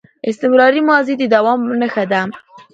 استمراري ماضي د دوام نخښه ده.